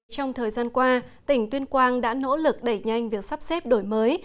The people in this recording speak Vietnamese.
trong thời gian qua tỉnh tuyên quang đã nỗ lực đẩy nhanh việc sắp xếp đổi mới